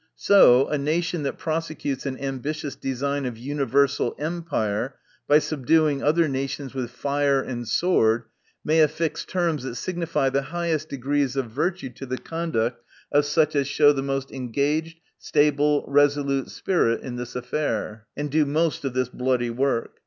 So, a nation that prosecutes an ambitious design of universal empire, by subduing other nations with fire and sword, may affix terms that signify the highest degrees of virtue, to the conduct of such as show the most engaged, stable, resolute spirit in this affair, and do mosl of this bloody work.